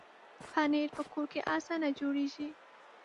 پنېر په کور کې اسانه جوړېږي.